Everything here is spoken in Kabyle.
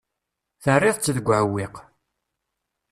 Terriḍ-tt deg uɛewwiq.